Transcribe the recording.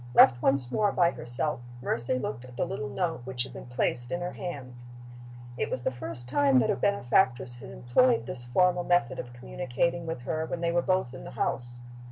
Left once more by herself, Mercy looked at the little note which had been placed in her hands. It was the first time that her benefactress had employed this formal method of communicating with her when they were both in the house.